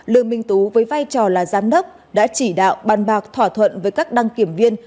lương minh tú với vai trò là giám đốc đã chỉ đạo bàn bạc thỏa thuận với các đăng kiểm viên